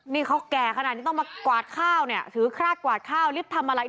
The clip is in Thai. นี่เขาแก่ขนาดนี้ต้องมากวาดข้าวเนี่ยถือคราดกวาดข้าวลิฟต์ทำอะไร